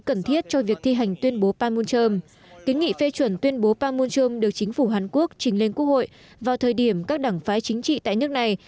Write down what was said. kiến nghị phê chuyển tuyên bố panmunjom được chính phủ hàn quốc trình lên quốc hội vào thời điểm các đảng phái chính trị tại nước này